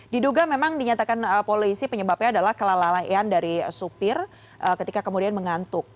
diduga memang dinyatakan polisi penyebabnya adalah kelalaian dari supir ketika kemudian mengantuk